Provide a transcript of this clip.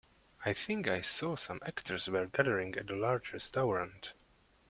I think I saw some actors were gathering at a large restaurant.